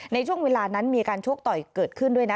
ในช่วงเวลานั้นมีการชกต่อยเกิดขึ้นด้วยนะ